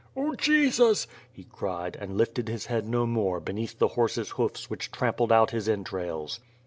"0 Jesus,'' he cried, and lifted his head no more beneath the horse's hoofs which trampled out his entrails.